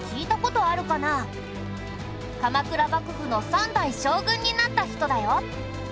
鎌倉幕府の三代将軍になった人だよ。